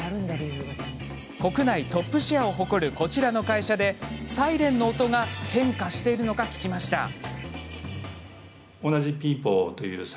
国内トップシェアを誇るこちらの会社でサイレンの音が変わっているのか聞きました。